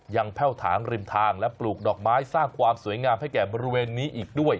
แพ่วถางริมทางและปลูกดอกไม้สร้างความสวยงามให้แก่บริเวณนี้อีกด้วย